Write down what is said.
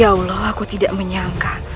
ya allah aku tidak menyangka